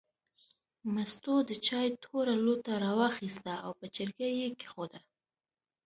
مستو د چای توره لوټه راواخیسته او په چرګۍ یې کېښوده.